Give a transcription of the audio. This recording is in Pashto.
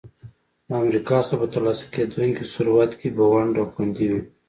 له امریکا څخه په ترلاسه کېدونکي ثروت کې به ونډه خوندي وي.